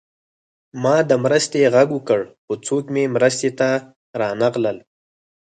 ما د مرستې غږ وکړ خو څوک مې مرستې ته رانغلل